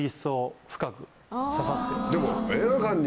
でも。